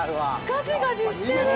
ガジガジしてる。